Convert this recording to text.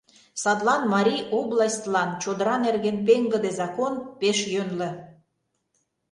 Садлан Марий областьлан чодыра нерген пеҥгыде закон — пеш йӧнлӧ.